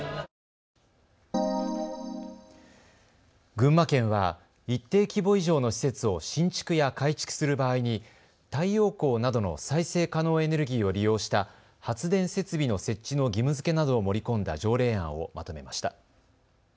群馬県は一定規模以上の施設を新築や改築する場合に太陽光などの再生可能エネルギーを利用した発電設備の設置の義務づけなどを盛り込んだ条例案をまとめました。